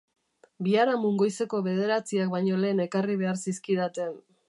Biharamun goizeko bederatziak baino lehen ekarri behar zizkidaten.